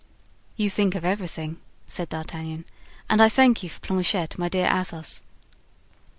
"You think of everything," said D'Artagnan; "and I thank you for Planchet, my dear Athos."